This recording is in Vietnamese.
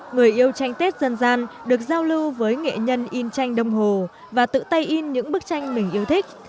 người yêu tranh tết dân gian được giao lưu với nghệ nhân in tranh đông hồ và tự tay in những bức tranh mình yêu thích